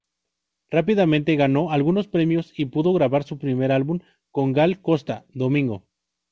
Rápidamente ganó algunos premios y pudo grabar su primer álbum con Gal Costa: "Domingo".